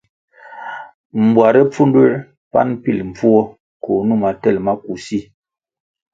Mbware pfunduē pan pil mbvuo koh numa tel maku si.